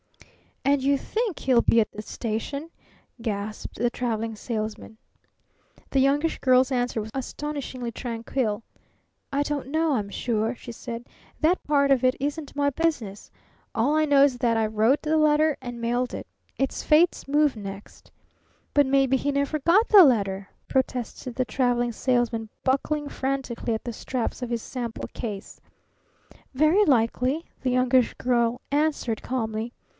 "And you think he'll be at the station?" gasped the Traveling Salesman. The Youngish Girl's answer was astonishingly tranquil. "I don't know, I'm sure," she said. "That part of it isn't my business. All I know is that I wrote the letter and mailed it. It's Fate's move next." "But maybe he never got the letter!" protested the Traveling Salesman, buckling frantically at the straps of his sample case. "Very likely," the Youngish Girl answered calmly.